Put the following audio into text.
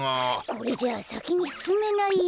これじゃあさきにすすめないよ。